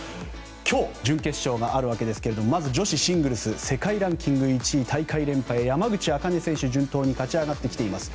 今日、準決勝があるわけですがまず女子シングルス世界ランキング１位大会連覇へ山口茜選手順当に勝ち上がってきています。